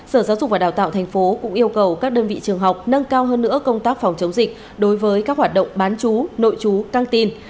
sở giáo dục và đào tạo thành phố cũng yêu cầu các đơn vị trường học nâng cao hơn nữa công tác phòng chống dịch đối với các hoạt động bán chú nội chú căng tin